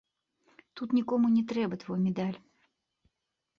Тут нікому не трэба твой медаль.